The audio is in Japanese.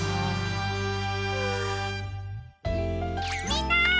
みんな！